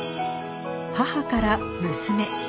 母から娘。